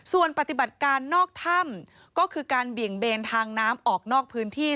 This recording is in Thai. ส่วนปฏิบัติการนอกถ้ำก็คือการเบี่ยงเบนทางน้ำออกนอกพื้นที่